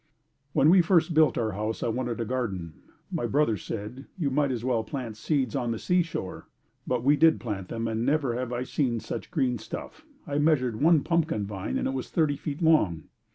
When we first built our house I wanted a garden. My brother said, "You might as well plant seeds on the seashore," but we did plant them and I never had seen such green stuff. I measured one pumpkin vine and it was thirty feet long.